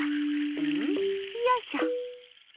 ん？よいしょ。